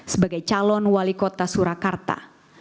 sebagai calon wali kota surakarta